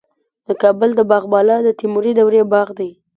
د کابل د باغ بالا د تیموري دورې باغ دی